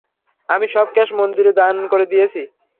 আমি সব ক্যাশ মন্দিরে দান করে দিয়েছি।